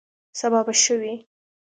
سبا به ښه وي